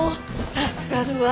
助かるわ。